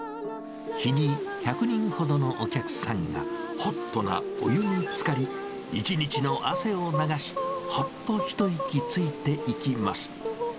日に１００人ほどのお客さんが、ホットなお湯につかり、一日の汗を流し、ほっと一息ついていきます。